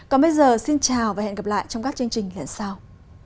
còn bây giờ xin chào và hẹn gặp lại trong các chương trình lần sau